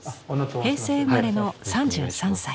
平成生まれの３３歳。